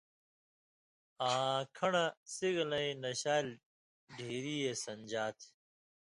آں کھن٘ڑہ سِگلَیں نشالیۡ ڈھیریہ سن٘دژا تھہ۔